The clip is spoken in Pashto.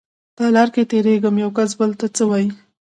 تالار کې تېرېږم يوکس بل ته څه وايي.